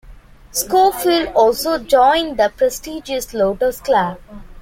Scofield also joined the prestigious Lotos Club.